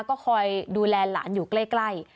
ก็คอยดูแลหลานอยู่ใกล้